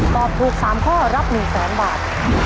ตอบถูก๓ข้อรับ๑๐๐๐๐๐บาท